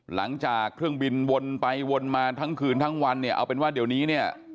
หลังจากเครื่องบินวนไปวนมาทั้งคืนทั้งวันเนี่ยเอาเป็นว่าเดี๋ยวนี้เนี่ย